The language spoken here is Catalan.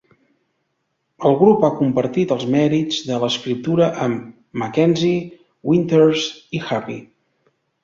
El grup ha compartit els mèrits de l'escriptura amb MacKenzie, Winters i Happy.